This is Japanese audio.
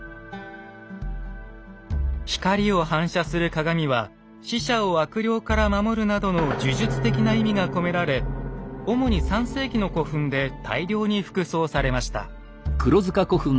光を反射する鏡は死者を悪霊から守るなどの呪術的な意味が込められ主に３世紀の古墳で大量に副葬されました。